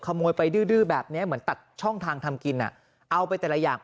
ขโมยไปดื้อแบบนี้เหมือนตัดช่องทางทำกินอ่ะเอาไปแต่ละอย่าง